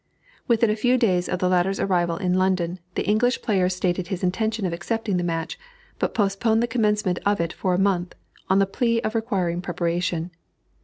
Within a few days of the latter's arrival in London, the English player stated his intention of accepting the match, but postponed the commencement of it for a month, on the plea of requiring preparation.